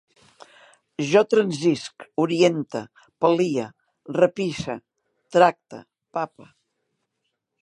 Jo transisc, oriente, pal·lie, repixe, tracte, pape